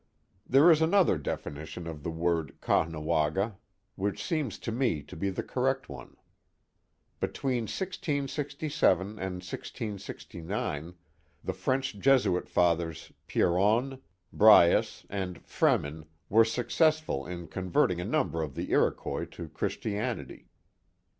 There is another definition of the word Caughnawaga, which seems to me to be the correct one. Between 1667 and 1669, the French Jesuit Fathers Pierron, Bruyas, and Fremin were successful in converting a number of the Iroquois to Christianity.